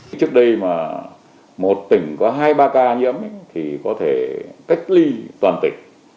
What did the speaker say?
nếu một tỉnh có hai ba ca nhiễm thì có thể cách ly toàn tỉnh